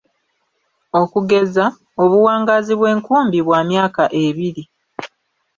Okugeza, obuwangaazi bw’enkumbi bwa myaka ebiri.